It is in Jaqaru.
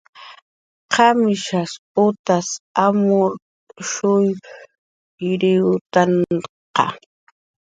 ¿Qamishas utas amurshuyriwktanqa?